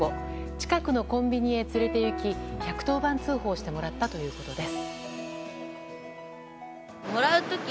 近くのコンビニへ連れていき１１０番通報をしてもらったということです。